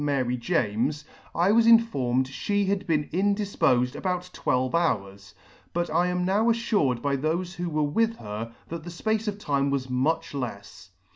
Mary [ lop ] Mary James, I was informed (he had been indifpofed about twelve hours ; but I am now allured by thofe who were with her, that the fpace of time was much lefs.